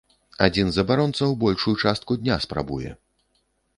Адзін з абаронцаў большую частку дня спрабуе!